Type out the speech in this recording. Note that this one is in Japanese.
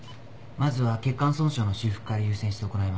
まずは血管損傷の修復から優先して行います。